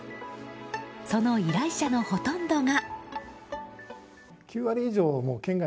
その依頼者のほとんどが。